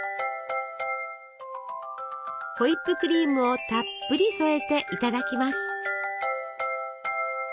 ホイップクリームをたっぷり添えていただきます。